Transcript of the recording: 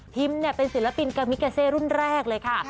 เป็นศิลปินกามิกาเซรุ่นแรกเลยค่ะ